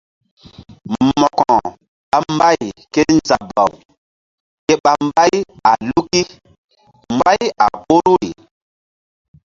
Mo̧ko ɓa mbay kézabaw ke ɓa mbay a luki mbay a ɓoruri.